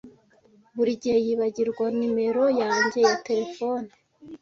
Buri gihe yibagirwa numero yanjye ya terefone.